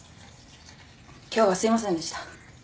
今日はすいませんでした。